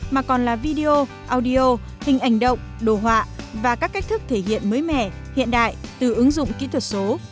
mà còn là video audio hình ảnh động đồ họa và các cách thức thể hiện mới mẻ hiện đại từ ứng dụng kỹ thuật số